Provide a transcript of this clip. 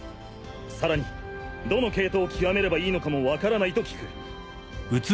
さらにどの系統をきわめればいいのかもわからないと聞く。